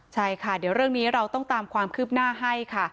ใช่ค่ะเดี๋ยวเรื่องนี้เราต้องตามความคืบหน้าให้ค่ะ